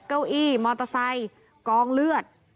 เก้าอี้มอเตอร์ไซค์กองเลือด